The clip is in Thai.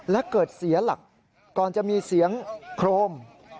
และเกิดเสียหลักก่อนจะมีเสียงโครม